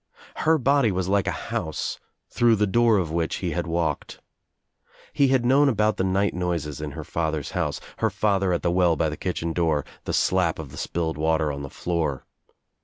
Her body was a house, through the door of which he had walked. He had known about the night noises in her father's house — her father at the well by the kitchen door, the slap of the spilled water on the floor.